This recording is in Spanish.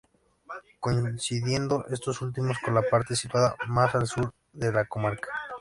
Coincidiendo estos últimos, con la parte situada más al Sur de la comarca.